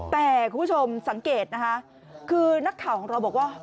แต่คุณผู้ชมสังเกตนะคะคือนักข่าวของเราบอกว่า